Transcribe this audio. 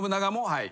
はい。